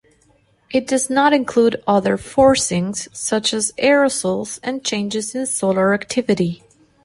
It does not include other forcings, such as aerosols and changes in solar activity.